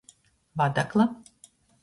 Vadakla.